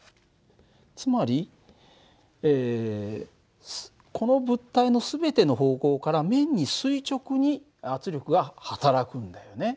つまりこの物体の全ての方向から面に垂直に圧力が働くんだよね。